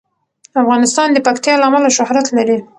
افغانستان د پکتیا له امله شهرت لري.